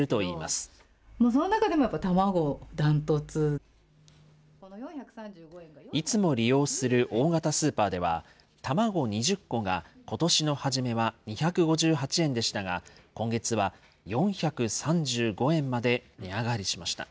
その中でもやっぱり卵、いつも利用する大型スーパーでは、卵２０個が、ことしの初めは２５８円でしたが、今月は４３５円まで値上がりしました。